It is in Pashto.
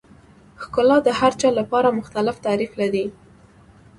ښکلا د هر چا لپاره مختلف تعریف لري.